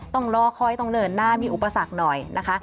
ต้องรอคอยต้องเดินหน้ามีอุปสรรคหน่อยนะคะ